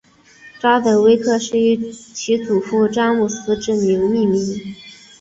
查德威克是以其祖父詹姆斯之名命名。